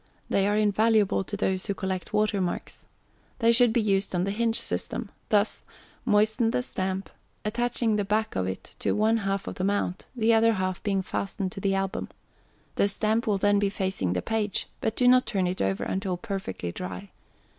They are invaluable to those who collect watermarks. They should be used on the hinge system; thus, Moisten the Stamp, attaching the back of it to one half of the mount, the other half being fastened to the Album. The Stamp will then be facing the page; but do not turn it over until perfectly dry.